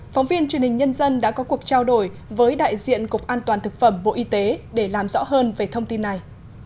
phóng viên truyền hình nhân dân đã có cuộc trao đổi với đại diện cục an toàn thực phẩm bộ y tế để làm rõ hơn về thông tin này